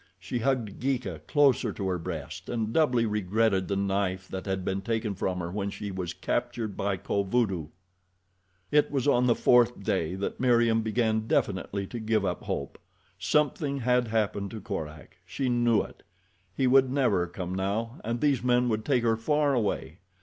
She hugged Geeka closer to her breast and doubly regretted the knife that they had taken from her when she was captured by Kovudoo. It was on the fourth day that Meriem began definitely to give up hope. Something had happened to Korak. She knew it. He would never come now, and these men would take her far away.